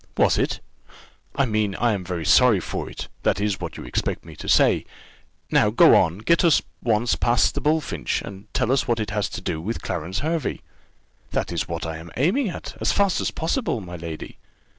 "Was it? I mean I am very sorry for it: that is what you expect me to say. Now, go on get us once past the bullfinch, or tell us what it has to do with Clarence Hervey." "That is what I am aiming at, as fast as possible, my lady.